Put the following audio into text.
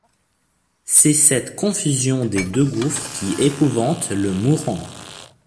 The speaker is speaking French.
C’est cette confusion des deux gouffres qui épouvante le mourant.